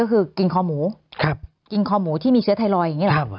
ก็คือกินคอหมูกินคอหมูที่มีเชื้อไทรอยด์อย่างนี้หรอ